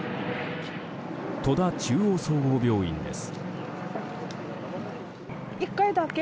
戸田中央総合病院です。